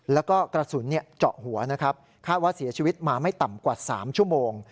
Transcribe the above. แล้วก็กระสุนเจาะหัวนะครับคาดว่าเสียชีวิตมาไม่ต่ำกว่า๓ชั่วโมง